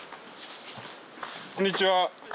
こんにちは。